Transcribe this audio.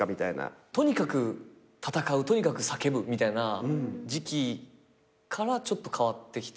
とにかく戦うとにかく叫ぶみたいな時期からちょっと変わってきて。